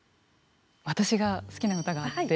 私が好きな歌があって。